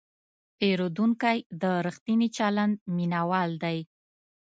پیرودونکی د ریښتیني چلند مینهوال دی.